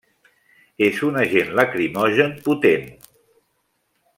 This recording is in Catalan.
És un agent lacrimogen potent.